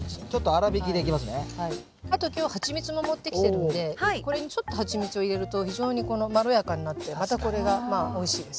あと今日蜂蜜も持ってきてるのでこれにちょっと蜂蜜を入れると非常にまろやかになってまたこれがまあおいしいです。